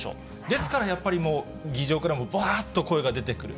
ですからやっぱりもう、議場からもわーっと声が出てくる。